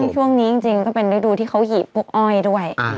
ช่วงนี้จริงก็เป็นฤดูที่เขาหีบพวกอ้อยด้วย